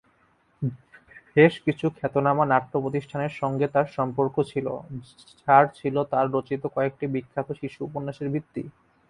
বেশ কিছু খ্যাতনামা নাট্য-প্রতিষ্ঠানের সঙ্গে তার সম্পর্ক ছিল, যার ছিল তার রচিত কয়েকটি বিখ্যাত শিশু উপন্যাসের ভিত্তি।